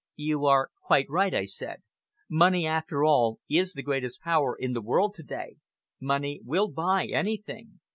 "You are quite right," I said. "Money, after all, is the greatest power in the world to day. Money will buy anything!"